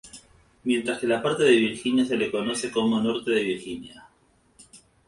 Mientras que la parte de Virginia se le conoce como Norte de Virginia.